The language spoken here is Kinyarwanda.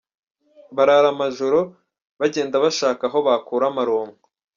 Barara amajoro bajyenda bashaka aho bakura amaronko.